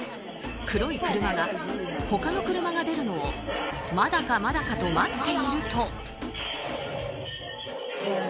黒い車が他の車が出るのをまだかまだかと待っていると。